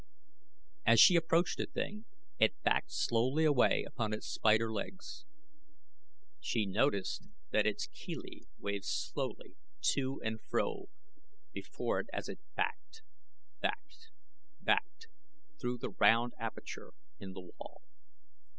As she approached the thing it backed slowly away upon its spider legs. She noticed that its chelae waved slowly to and fro before it as it backed, backed, backed, through the round aperture in the wall.